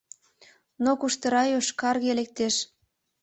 Но куштыра йошкарге лектеш.